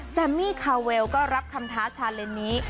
แซมมี่คาเวลก็รับคำท้าชาเลนนี้